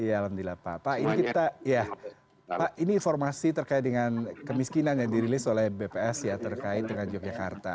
alhamdulillah pak pak ini informasi terkait dengan kemiskinan yang dirilis oleh bps ya terkait dengan yogyakarta